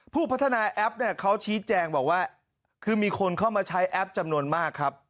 ผู้พัฒนาแอปเนี่ยเขาชี้แจงบอกว่าคือมีคนเข้ามาใช้แอปจำนวนมากครับ